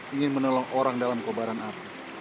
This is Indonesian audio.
ingin menolong orang dalam kobaran api